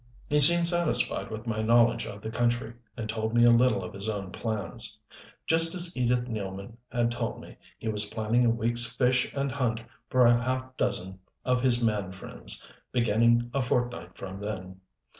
He seemed satisfied with my knowledge of the country; and told me a little of his own plans. Just as Edith Nealman had told me, he was planning a week's fish and hunt for a half dozen of his man friends, beginning a fortnight from then.